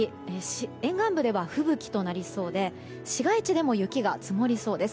沿岸部では吹雪となりそうで市街地でも雪が積もりそうです。